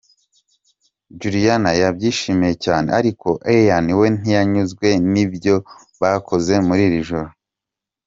Juliana yabyishimiye cyane, ariko Ian we ntiyanyuzwe n’ibyo bakoze muri iri joro.